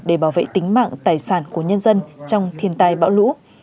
để bảo vệ tính mạng tài sản của nhân dân trong thiên tai bão lũ